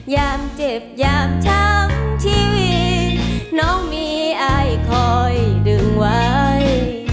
ยามเจ็บยามช้ำชีวิตน้องมีอายคอยดึงไว้